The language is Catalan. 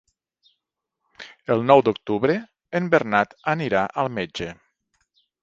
El nou d'octubre en Bernat anirà al metge.